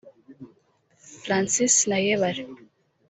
Francis Nayebare